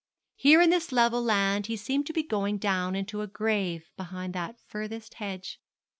Here in this level land he seemed to be going down into a grave behind that furthest hedge.